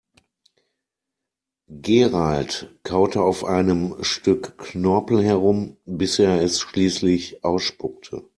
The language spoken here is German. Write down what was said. Gerald kaute auf einem Stück Knorpel herum, bis er es schließlich ausspuckte.